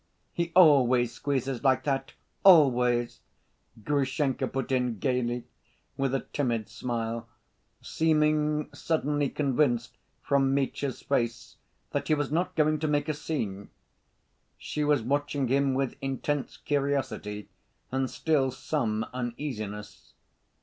"He always squeezes like that, always," Grushenka put in gayly, with a timid smile, seeming suddenly convinced from Mitya's face that he was not going to make a scene. She was watching him with intense curiosity and still some uneasiness.